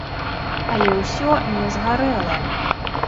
Але ўсё не згарэла.